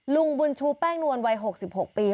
ลุงบุญชูแป้งนวลวัย๖๖ปี